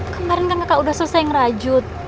kemarin kan kakak udah selesai ngeracut